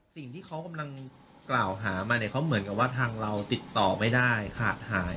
สิ่งที่เขากำลังกล่าวหามาเนี่ยเขาเหมือนกับว่าทางเราติดต่อไม่ได้ขาดหาย